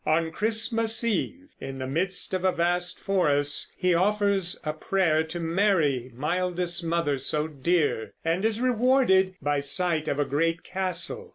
On Christmas eve, in the midst of a vast forest, he offers a prayer to "Mary, mildest mother so dear," and is rewarded by sight of a great castle.